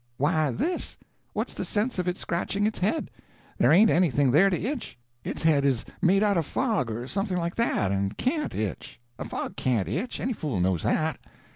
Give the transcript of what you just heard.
"Why, this. What's the sense of it scratching its head? There ain't anything there to itch; its head is made out of fog or something like that, and can't itch. A fog can't itch; any fool knows that."